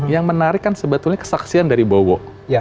yang menarik kan sebetulnya kesaksian dari bowo